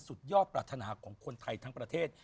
สุดยอดปรารถนาของคนไทยทั้งประเทศ